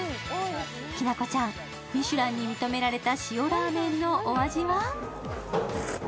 きなこちゃん、ミシュランに認められた塩ラーメンのお味は？